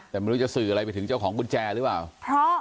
แต่ไม่รู้จะสื่ออะไรไปถึงเจ้าของกุญแจหรือเปล่าเพราะ